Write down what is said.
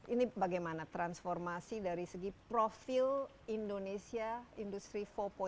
ini bagaimana transformasi dari segi profil indonesia industri empat